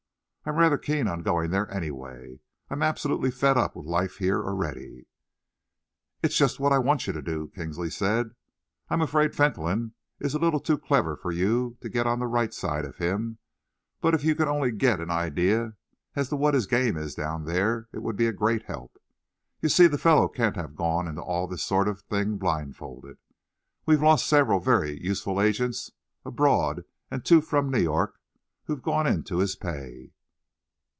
I am rather keen on going there, anyway. I am absolutely fed up with life here already." "It's just what I want you to do," Kinsley said. "I am afraid Fentolin is a little too clever for you to get on the right side of him, but if you could only get an idea as to what his game is down there, it would be a great help. You see, the fellow can't have gone into all this sort of thing blindfold. We've lost several very useful agents abroad and two from New York who've gone into his pay.